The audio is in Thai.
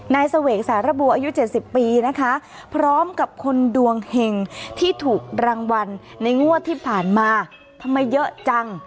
เสวกสารบัวอายุ๗๐ปีนะคะพร้อมกับคนดวงเห็งที่ถูกรางวัลในงวดที่ผ่านมาทำไมเยอะจัง